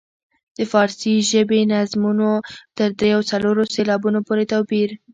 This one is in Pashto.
د فارسي ژبې نظمونو تر دریو او څلورو سېلابونو پورې توپیر.